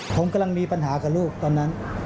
ผมกำลังมีปัญหากับลูกตอนนั้น